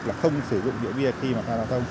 là không sử dụng điều bia khi mà ra giao thông